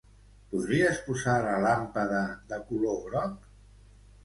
Podries posar la làmpada de color groc?